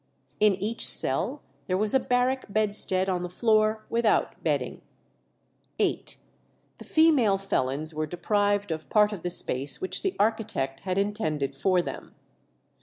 In each cell there was a barrack bedstead on the floor without bedding. viii. The female felons were deprived of part of the space which the architect had intended for them.